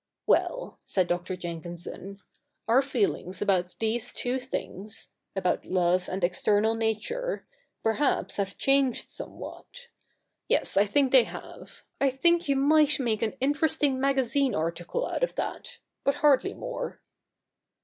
'Well,' said Dr. Jenkinson, 'our feelings about these two things — about love and external nature — perhaps have changed somewhat. Yes, I think they have. I think you might make an interesting magazine article out of that — but hardly more.'